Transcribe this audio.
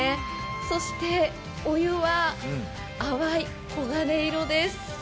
そして、お湯は淡い黄金色です。